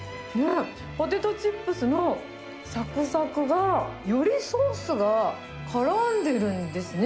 ポテトチップスのさくさくが、よりソースがからんでるんですね。